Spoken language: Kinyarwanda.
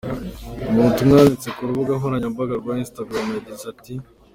Mu butumwa yanditse ku rubuga nkoranyambaga rwa Instagram, yagize ati:.